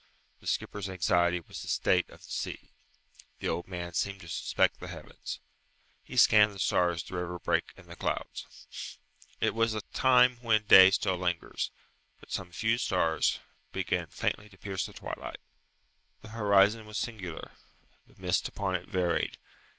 The skipper's anxiety was the state of the sea; the old man seemed to suspect the heavens. He scanned the stars through every break in the clouds. It was the time when day still lingers, but some few stars begin faintly to pierce the twilight. The horizon was singular. The mist upon it varied.